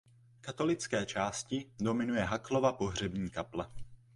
Katolické části dominuje Haklova pohřební kaple.